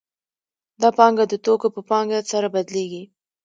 دا پانګه د توکو په پانګه سره بدلېږي